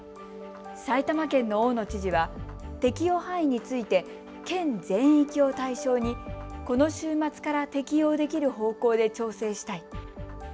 埼玉県の大野知事は、適用範囲について県全域を対象にこの週末から適用できる方向で調整したい。